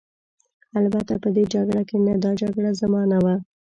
البته په دې جګړه کې نه، دا جګړه زما نه وه.